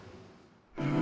うん。